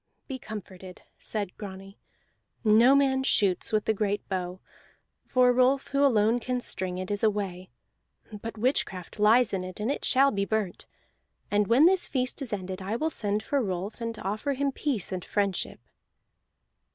"Be comforted," said Grani. "No man shoots with the great bow, for Rolf, who alone can string it, is away. But witchcraft lies in it, and it shall be burnt. And when this feast is ended I will send for Rolf, and offer him peace and friendship."